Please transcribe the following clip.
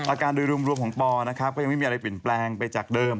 อาการโดยรวมของปอก็ยังไม่มีอะไรปิ่นแปลงไปจากเดิม